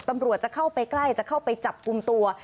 ตำรวจจะเข้าไปใกล้จะเข้าไปจับกลุ่มตัว